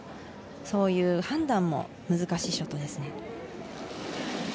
そういう判断も難しいショットです。